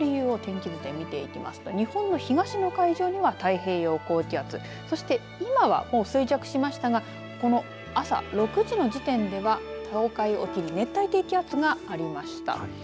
この理由を天気図で見ていきますと日本の東の海上には太平洋高気圧そして今は衰弱しましたがこの朝６時の時点では東海沖に熱帯低気圧がありました。